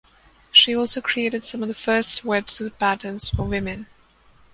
She also created some of the first wetsuit patterns for women.